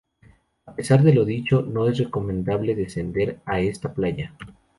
A pesar de lo dicho, no es recomendable descender a esta playa.